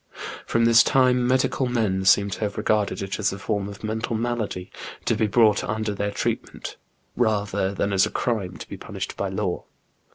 From this time medical men seem to have regarded it as a form of mental malady to be brought under their treatment, rather than as a crime to be punished by law.